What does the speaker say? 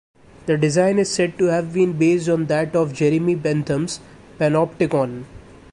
The design is said to have been based on that of Jeremy Bentham's Panopticon.